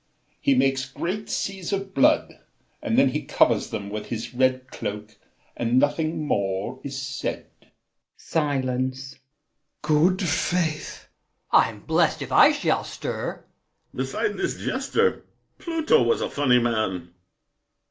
He makes Great seas of blood, and then he covers them With his red cloak and nothing more is said. [Silence. GASSÉ. Good faith! ROCHEBARON. I'm blessed if I shall stir! BRICHANTEAU. Beside This jester Pluto was a funny man!